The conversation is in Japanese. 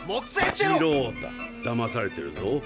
八郎太だまされてるぞ。